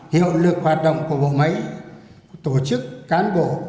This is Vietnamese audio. hiệu lực hoạt động của bộ máy tổ chức cán bộ